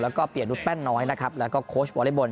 แล้วก็เปลี่ยนนุษยแป้นน้อยนะครับแล้วก็โค้ชวอเล็กบอล